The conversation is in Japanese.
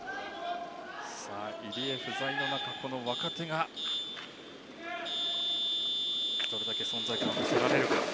入江不在の中、若手がどれだけ存在感を見せられるか。